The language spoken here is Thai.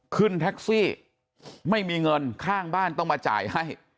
ขึ้นแท็กซี่ไม่มีเงินข้างบ้านต้องมาจ่ายให้